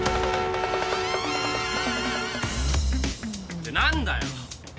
って何だよ！